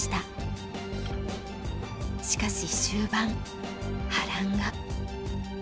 しかし終盤波乱が。